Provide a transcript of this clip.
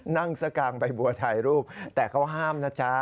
นั่งสกางใบบัวถ่ายรูปแต่เขาห้ามนะจ๊ะ